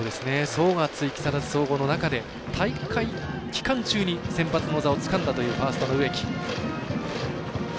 層が厚い木更津総合の中で大会期間中に先発の座をつかんだというファーストの植木。